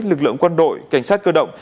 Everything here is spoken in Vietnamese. lực lượng quân đội cảnh sát cơ động